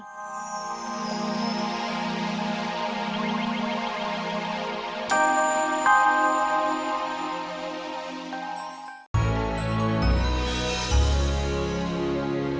hanya seorang saksona